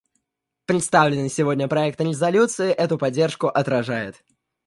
Представленный сегодня проект резолюции эту поддержку отражает.